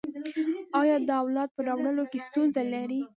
ایا د اولاد په راوړلو کې ستونزه لرئ؟